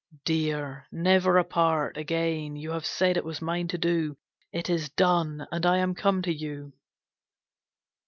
"Dear, never apart Again! You have said it was mine to do. It is done, and I am come to you!"